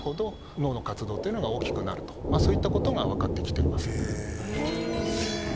そういったことが分かってきています。